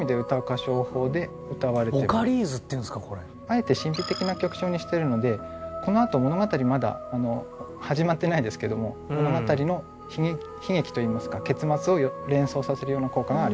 あえて神秘的な曲調にしているのでこのあと物語まだ始まってないですけれども物語の悲劇といいますか結末を連想させるような効果があります。